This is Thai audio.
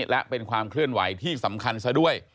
และเป็นความเคลื่อนไหวที่สำคัญซะด้วย